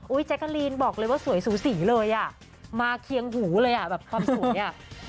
แจ๊กกะลีนบอกเลยว่าสวยสูสีเลยอ่ะมาเคียงหูเลยอ่ะแบบความสวยอ่ะ